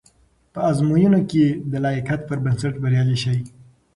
په ازموینو کې د لایقت پر بنسټ بریالي شئ.